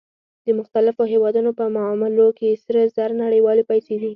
د مختلفو هېوادونو په معاملو کې سره زر نړیوالې پیسې دي